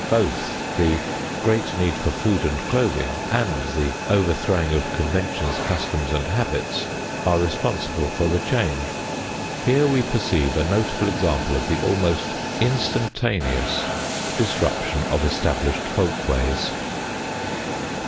Both the great need for food and clothing and the overthrowing of conventions, customs and habits are responsible for the change. Here we perceive a notable example of the almost instantaneous disruption of established folk ways.